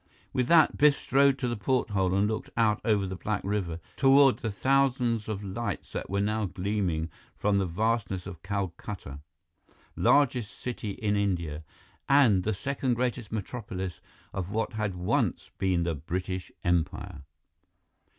With that, Biff strode to the porthole and looked out over the black river, toward the thousands of lights that were now gleaming from the vastness of Calcutta, largest city in India, and the second greatest metropolis of what had once been the British Empire.